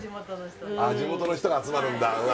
地元の人が集まるんだわ